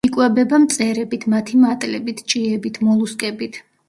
იკვებება მწერებით, მათი მატლებით, ჭიებით, მოლუსკებით.